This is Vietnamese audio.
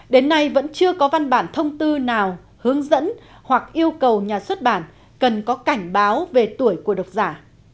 đến nay vẫn chưa có văn bản thông tư nào hướng dẫn hoặc yêu cầu nhà xuất bản cần có cảnh báo về tuổi của độc giả